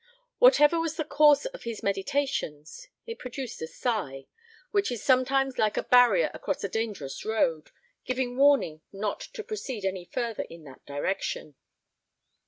Whatever was the course of his meditations, it produced a sigh, which is sometimes like a barrier across a dangerous road, giving warning not to proceed any further in that direction.